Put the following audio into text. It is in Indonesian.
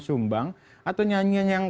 sumbang atau nyanyian yang